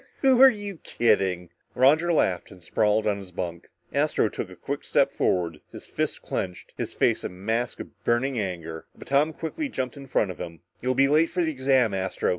"Who are you kidding?" Roger laughed and sprawled on his bunk. Astro took a quick step forward, his fists clenched, his face a mask of burning anger, but Tom quickly jumped in front of him. "You'll be late for the exam, Astro!"